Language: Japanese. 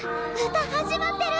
歌始まってる！